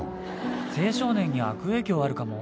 青少年に悪影響あるかも。